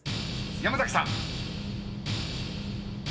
［山崎さん］